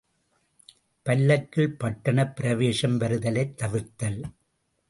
● பல்லக்கில் பட்டணப் பிரவேசம் வருதலைத் தவிர்த்தல்.